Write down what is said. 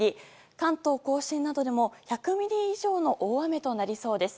関東・甲信などでも１００ミリ以上の大雨となりそうです。